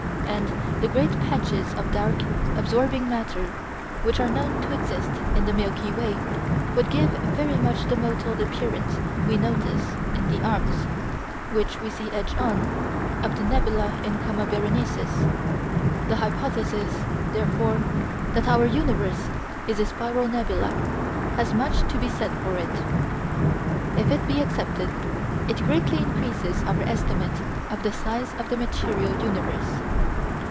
And the great patches of dark absorbing matter which are known to exist in the Milky Way (see Fig. 22) would give very much the mottled appearance we notice in the arms (which we see edge on) of the nebula in Coma Berenices. The hypothesis, therefore, that our universe is a spiral nebula has much to be said for it. If it be accepted it greatly increases our estimate of the size of the material universe.